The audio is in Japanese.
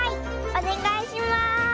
おねがいします！